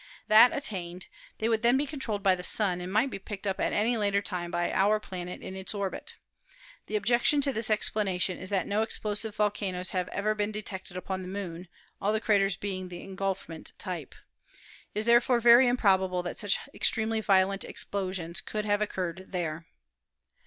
That attained, they would then be controlled by the Sun and might be picked up at any later time by our planet in its orbit. The objec tion to this explanation is that no explosive volcanoes have ever been detected upon the Moon, all the craters being of the engulfment type. It is therefore very improbable that such extremely violent explosions could have occurred there.